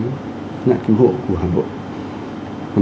và cứu nạn cứu hộ của hà nội